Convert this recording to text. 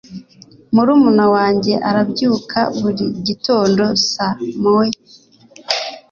Murumuna wanjye arabyuka buri gitondo saa moya.